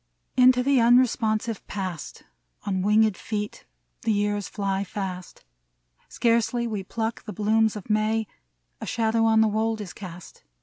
Into the unresponsive past On winged feet the years fly fast : Scarcely we pluck the blooms of May, A shadow on the wold is cast.